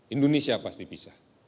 indonesia pasti bisa